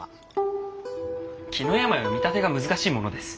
気の病は見立てが難しいものです。